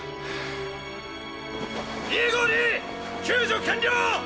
２５２救助完了！